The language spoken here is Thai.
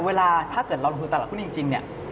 เวลาถ้าเกิดเราลองคุยตลาดพวกนี้จริง